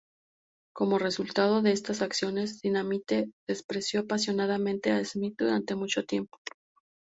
Como resultado de estas acciones, Dynamite despreció apasionadamente a Smith durante mucho tiempo.